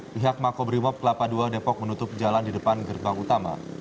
pihak makobrimob kelapa ii depok menutup jalan di depan gerbang utama